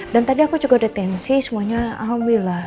dan tadi aku juga detensi semuanya alhamdulillah